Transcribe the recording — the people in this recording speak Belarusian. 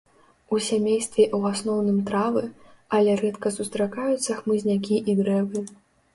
У сямействе ў асноўным травы, але рэдка сустракаюцца хмызнякі і дрэвы.